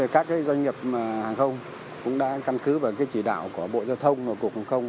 các cái doanh nghiệp hãng không cũng đã căn cứ và cái chỉ đạo của bộ giao thông và cục hàng không